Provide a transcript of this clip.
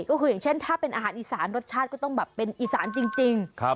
ก็คืออย่างเช่นถ้าเป็นอาหารอีสานรสชาติก็ต้องแบบเป็นอีสานจริง